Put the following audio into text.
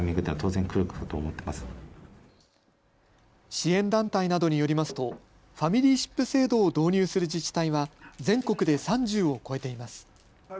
支援団体などによりますとファミリーシップ制度を導入する自治体は、全国で３０を超えています。